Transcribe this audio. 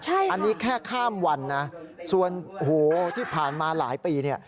อันนี้แค่ข้ามวันนะส่วนที่ผ่านมาหลายปี